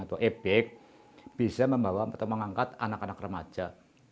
yaitu paguyuban kuda lumping atau ebek bisa membawa atau mengangkat anak anak remaja